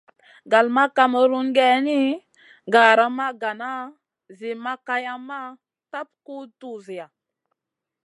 Gal ma kamerun géyn gara ma gana Zi ma kayamma tap guʼ tuwziya.